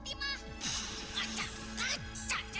kamu akan seperti saya